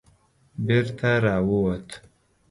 بېرته را ووت.